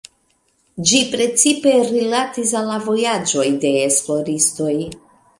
Ĝi precipe rilatis al la vojaĝoj de esploristoj.